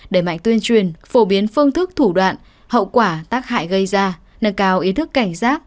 đẩy mạnh tuyên truyền phổ biến phương thức thủ đoạn hậu quả tác hại gây ra nâng cao ý thức cảnh giác